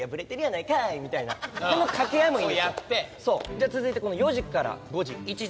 じゃあ続いてこの４時から５時１時間。